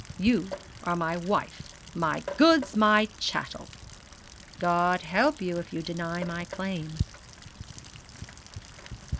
You are my wife, my goods, my chattels God help you if you deny my claim.'